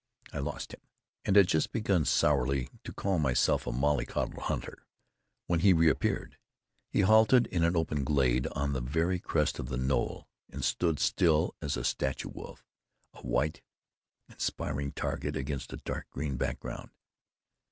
I lost him, and had just begun sourly to call myself a mollycoddle hunter, when he reappeared. He halted in an open glade, on the very crest of the knoll, and stood still as a statue wolf, a white, inspiriting target, against a dark green background.